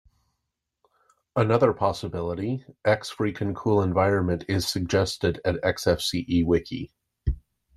Another possibility "X Freakin' Cool Environment" is suggested at Xfce Wiki.